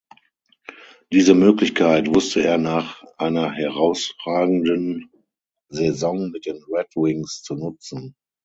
Diese Möglichkeit wusste er nach einer herausragenden Saison mit den Red Wings zu nutzen.